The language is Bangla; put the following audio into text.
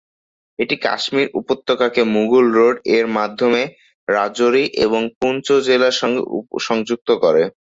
এটি কাশ্মীর উপত্যকাকে 'মুঘল রোড' এর মাধ্যমে রাজৌরি এবং পুঞ্চ জেলার সঙ্গে সংযুক্ত করে।